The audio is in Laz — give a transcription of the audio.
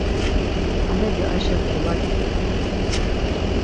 Amedi Ayşes dolaǩiden.